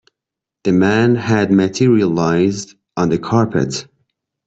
The man had materialized on the carpet.